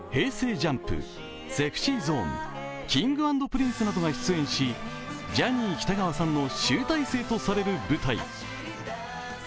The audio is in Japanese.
ＪＵＭＰ、ＳｅｘｙＺｏｎｅ、Ｋｉｎｇ＆Ｐｒｉｎｃｅなどが出演し、ジャニー喜多川さんの集大成とされる舞台。